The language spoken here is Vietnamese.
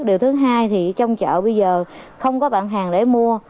điều thứ hai thì trong chợ bây giờ không có bạn hàng để mua